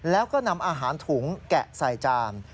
แล้วก็นำอาหารถุงแกะใส่จาน